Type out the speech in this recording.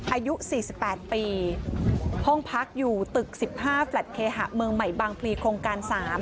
อายุสี่สิบแปดปีห้องพักอยู่ตึกสิบห้าแฟลตเคหะเมืองใหม่บางพรีโครงการสาม